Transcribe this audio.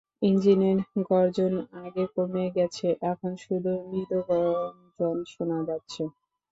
ইঞ্জিনের গর্জন আগেই কমে গেছে, এখন শুধু মৃদু গুঞ্জন শোনা যাচ্ছে।